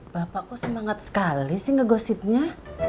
bapak kok semangat sekali sih ngegosipnya